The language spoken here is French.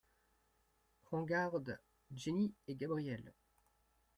Prends garde ! jenny et GABRIELLE.